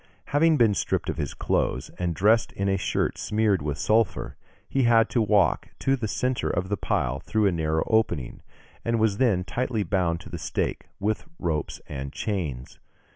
Having been stripped of his clothes, and dressed in a shirt smeared with sulphur, he had to walk to the centre of the pile through a narrow opening, and was then tightly bound to the stake with ropes and chains.